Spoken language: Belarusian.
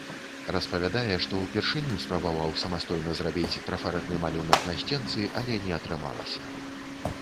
Распавядае, што ўпершыню спрабаваў самастойна зрабіць трафарэтны малюнак на сценцы, але не атрымалася.